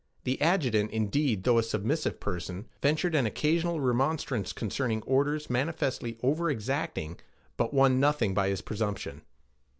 The adjutant, indeed, though a submissive person, ventured an occasional remonstrance concerning orders manifestly over exacting, but won nothing by his presumption.